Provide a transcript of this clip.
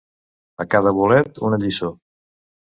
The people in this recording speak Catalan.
A cada bolet, una lliçó.